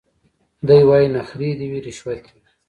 دی وايي نخرې دي وي رشوت دي وي